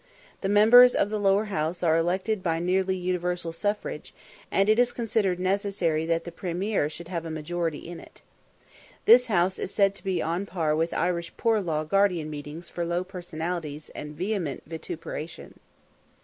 The members of the Lower House are elected by nearly universal suffrage, and it is considered necessary that the "Premier" should have a majority in it. This House is said to be on a par with Irish poor law guardian meetings for low personalities and vehement vituperation.